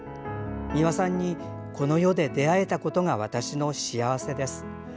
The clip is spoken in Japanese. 美輪さんにこの世で出会えたことが私の幸せです」。